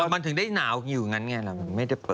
มันถึงได้หนาวอยู่อย่างนั้นไงล่ะ